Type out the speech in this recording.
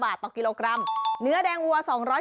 สำหรับวันนี้ราคาเนื้อสัตว์คงที่นะหมูเนื้อแดง๑๒๕บาทต่อกิโลกรัมค่ะ